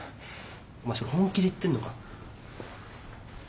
お前それ本気で言ってんのか？